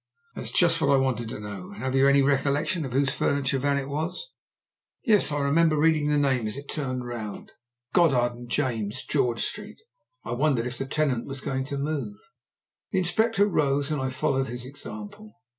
"That's just what I want to know. And have you any recollection whose furniture van it was?" "Yes. I remember reading the name as it turned round. Goddard & James, George Street. I wondered if the tenant was going to move." The Inspector rose, and I followed his example.